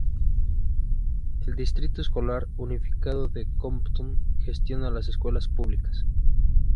El Distrito Escolar Unificado de Compton gestiona las escuelas públicas.